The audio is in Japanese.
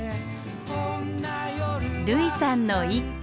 類さんの一句。